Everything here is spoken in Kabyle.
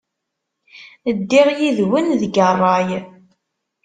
Ddiɣ yid-wen deg ṛṛay.